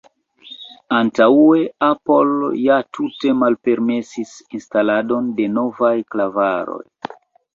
Antaŭe Apple ja tute malpermesis instaladon de novaj klavaroj.